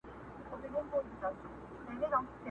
پر سوځېدلو ونو،